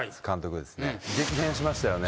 激変しましたよね。